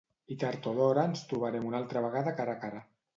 I tard o d'hora ens trobarem una altra vegada cara a cara.